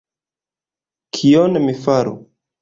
Kion mi faru?